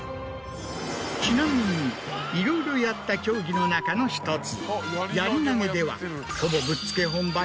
ちなみにいろいろやった競技の中の１つ。